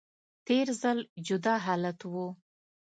تیر ځل جدا حالت و